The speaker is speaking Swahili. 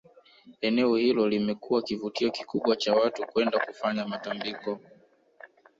Eneo hilo limekuwa kivutio kikubwa cha watu kwenda kufanya matambiko